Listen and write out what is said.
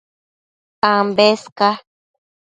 Ambes ca